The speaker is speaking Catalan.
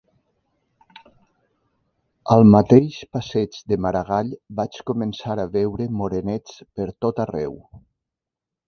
Al mateix passeig de Maragall vaig començar a veure morenets pertot arreu.